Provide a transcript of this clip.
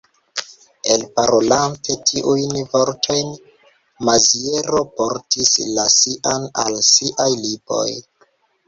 Elparolante tiujn vortojn, Maziero portis la sian al siaj lipoj.